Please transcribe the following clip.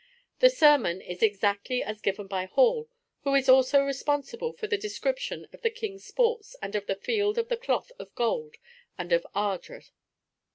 The sermon is exactly as given by Hall, who is also responsible for the description of the King's sports and of the Field of the Cloth of Gold and of Ardres.